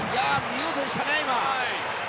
見事でしたね、今！